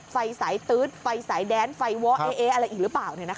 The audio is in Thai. สายตื๊ดไฟสายแดนไฟว้อเออะไรอีกหรือเปล่า